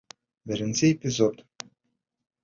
Беренсе эпизод!